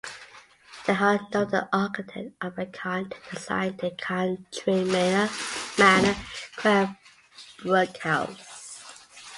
They hired noted architect Albert Kahn to design their country manor, Cranbrook House.